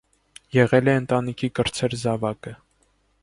Եղել է ընտանիքի կրտսեր զավակը։